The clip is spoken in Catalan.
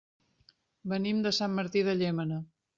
Venim de Sant Martí de Llémena.